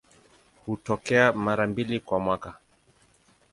Hutokea mara mbili kwa mwaka.